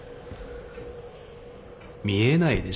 見えないでしょ。